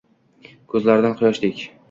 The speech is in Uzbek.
Ko‘zlaridan quyoshdek